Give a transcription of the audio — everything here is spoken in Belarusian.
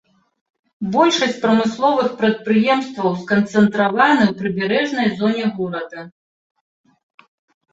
Большасць прамысловых прадпрыемстваў сканцэнтраваны ў прыбярэжнай зоне горада.